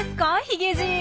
ヒゲじい。